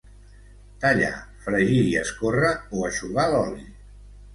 Tallar, fregir i escórrer o eixugar l’oli.